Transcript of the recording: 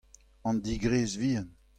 an digrez vihan.